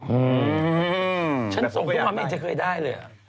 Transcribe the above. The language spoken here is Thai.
อืมฉันส่งมาไม่เอาจะเคยได้เลย